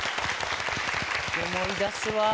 思い出すわあ。